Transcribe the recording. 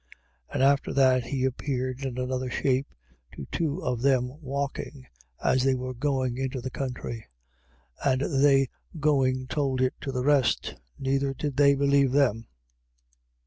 16:12. And after that he appeared in another shape to two of them walking, as they were going into the country. 16:13. And they going told it to the rest: neither did they believe them.